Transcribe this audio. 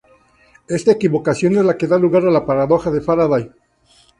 Esta equivocación es la que da lugar a la paradoja de Faraday.